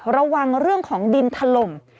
ระวังเรื่องของดินถล่ม